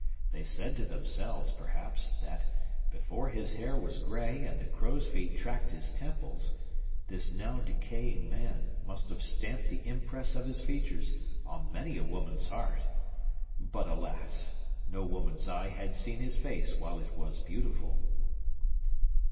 They said to themselves, perhaps, that, before his hair was gray and the crow's feet tracked his temples, this now decaying man must have stamped the impress of his features on many a woman's heart. But, alas! no woman's eye had seen his face while it was beautiful.